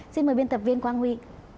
xin mời biên tập viên quang huy